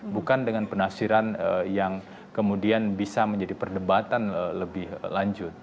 bukan dengan penafsiran yang kemudian bisa menjadi perdebatan lebih lanjut